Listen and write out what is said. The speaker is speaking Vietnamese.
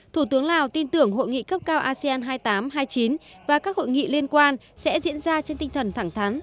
thủ tướng lào tin tưởng hội nghị cấp cao asean hai nghìn tám hai mươi chín và các hội nghị liên quan sẽ diễn ra trên tinh thần thẳng thắn